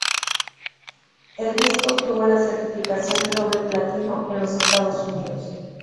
El disco obtuvo la certificación de doble platino en los Estados Unidos.